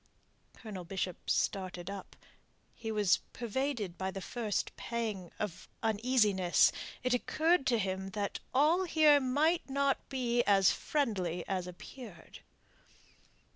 Colonel Bishop started up. He was pervaded by the first pang of uneasiness. It occurred to him that all here might not be as friendly as appeared.